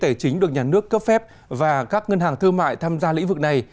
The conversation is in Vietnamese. tài chính được nhà nước cấp phép và các ngân hàng thương mại tham gia lĩnh vực này